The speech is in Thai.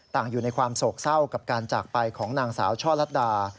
อยู่ในความโศกเศร้ากับการจากไปของนางสาวช่อลัดดา